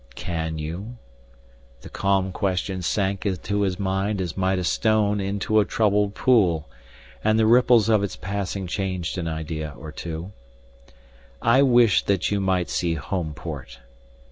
"Can you?" The calm question sank into his mind as might a stone into a troubled pool, and the ripples of its passing changed an idea or two. "I wish that you might see Homeport.